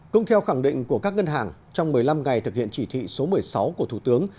cũng theo khẳng định của các ngân hàng trong một mươi năm ngày thực hiện chỉ thị số một mươi sáu của thủ tướng